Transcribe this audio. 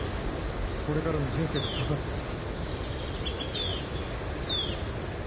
これからの人生が懸かってるんだ。